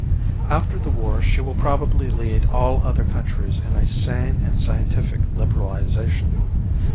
After the war she will probably lead all other countries in a sane and scientific liberalization.